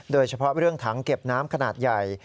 โดยเฉพาะเรื่องถังเก็บน้ำขนาดใหญ่